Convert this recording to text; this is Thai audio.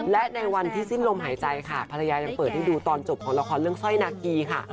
และในวันที่สิ้นลมหายใจค่ะภรรยายังเปิดให้ดูตอนจบของละครเรื่องสร้อยนากีค่ะ